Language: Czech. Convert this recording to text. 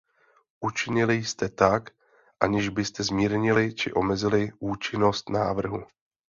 Učinili jste tak, aniž byste zmírnili či omezili účinnost návrhu.